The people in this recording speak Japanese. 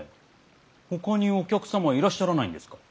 ほかにお客様はいらっしゃらないんですか？